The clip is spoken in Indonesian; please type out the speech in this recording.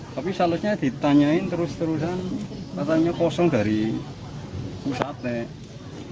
tapi salahnya ditanyakan terus terusan katanya kosong dari pusatnya